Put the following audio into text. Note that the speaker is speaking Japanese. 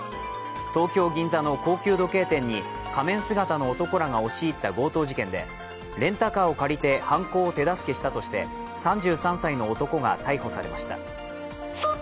東京・銀座の高級時計店に仮面姿の男らが押し入った強盗事件でレンタカーを借りて犯行を手助けしたとして３３歳の男が逮捕されました。